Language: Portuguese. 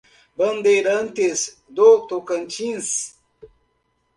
Bandeirantes do Tocantins